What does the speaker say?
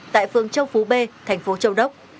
tại phương châu phú b thành phố châu đốc